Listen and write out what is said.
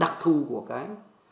đặc thù của cái